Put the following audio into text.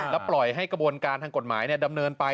แล้วปล่อยให้กระบวนการทางกฎหมายดำเนินไป